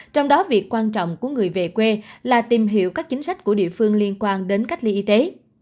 trong đó việc quan trọng của người về quê là tìm hiểu các chính sách của địa phương liên quan đến cách ly y tế